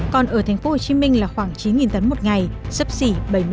còn ở tp hcm là khoảng chín tấn một ngày sấp xỉ bảy mươi